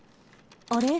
あれ？